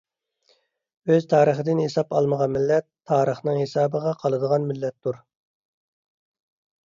ئۆز تارىخىدىن ھېساب ئالمىغان مىللەت تارىخنىڭ ھېسابىغا قالىدىغان مىللەتتۇر.